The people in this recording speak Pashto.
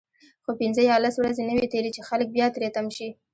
خو پنځه یا لس ورځې نه وي تیرې چې خلک بیا تری تم شي.